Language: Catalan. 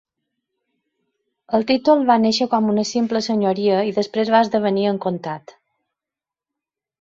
El títol va néixer com una simple senyoria i després va esdevenir en comtat.